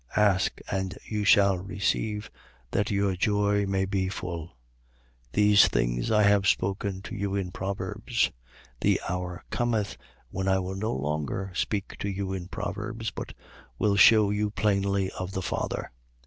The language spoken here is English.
Ask, and you shall receive; that your joy may be full. 16:25. These things I have spoken to you in proverbs. The hour cometh when I will no longer speak to you in proverbs, but will shew you plainly of the Father.